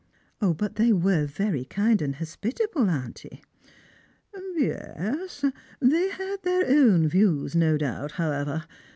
" But they were very kind and hospitable, auntie." " Ye es. They had their own views, no doubt, however.